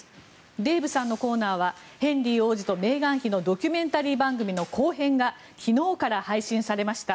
デーブさんのコーナーはヘンリー王子とメーガン妃のドキュメンタリー番組の後編が昨日から配信されました。